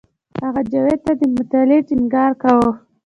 هغه جاوید ته د مطالعې ټینګار کاوه